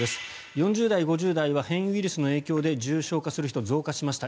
４０代、５０代は変異ウイルスの影響で重症化する人が増加しました。